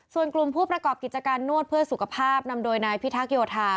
ส่วนกลุ่มผู้ประกอบกิจการนวดเพื่อสุขภาพนำโดยนายพิทักษ์โยธา